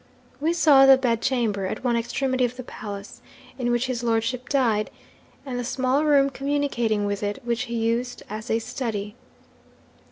We saw the bedchamber, at one extremity of the palace, in which his lordship died, and the small room communicating with it, which he used as a study.